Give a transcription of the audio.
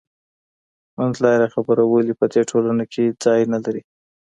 منځلارې خبره ولي په دې ټولنه کي ځای نه لري؟